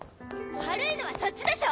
悪いのはそっちでしょ！